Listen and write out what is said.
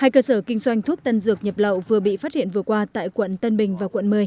hai cơ sở kinh doanh thuốc tân dược nhập lậu vừa bị phát hiện vừa qua tại quận tân bình và quận một mươi